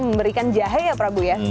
memberikan jahe ya prabu ya